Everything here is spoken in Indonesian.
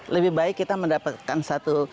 lebih baik kita mendapatkan satu